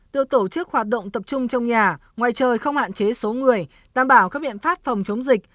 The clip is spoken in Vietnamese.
được tổ chức hoạt động tập trung trong nhà ngoài trời không hạn chế số người đảm bảo các biện pháp phòng chống dịch